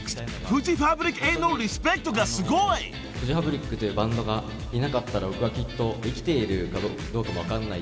フジファブリックへのリスペクトがすごい］フジファブリックというバンドがいなかったら僕はきっと生きているかどうかも分かんない。